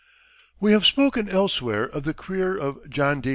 We have spoken elsewhere of the career of John D.